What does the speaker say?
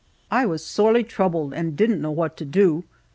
I was sorely troubled, and didn't know what to do.